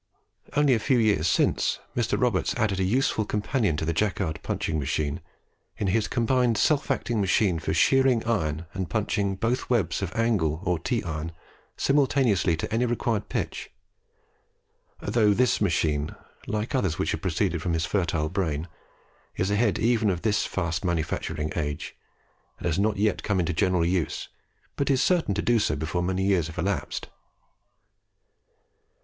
Only a few years since Mr. Roberts added a useful companion to the Jacquard punching machine, in his combined self acting machine for shearing iron and punching both webs of angle or T iron simultaneously to any required pitch; though this machine, like others which have proceeded from his fertile brain, is ahead even of this fast manufacturing age, and has not yet come into general use, but is certain to do so before many years have elapsed.